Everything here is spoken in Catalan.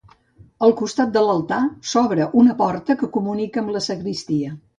Al costat de l'altar s'obre una porta que comunica amb la sagristia.